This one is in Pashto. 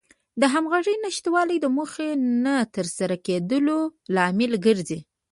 د همغږۍ نشتوالی د موخو نه تر سره کېدلو لامل ګرځي.